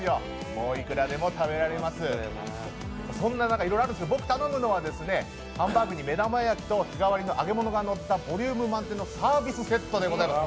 もういくらでも食べられます、そんな中、いろいろあるんですが僕、頼むのはハンバーグと目玉焼きと日替わりの揚げ物がのったボリューム満点のサービスセットでございます。